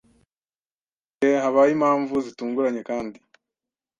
gihe habaye impamvu zitunguranye kandi